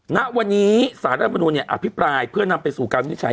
ณวันนี้สารรัฐมนุนอภิปรายเพื่อนำไปสู่การวินิจฉัย